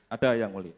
ada yang boleh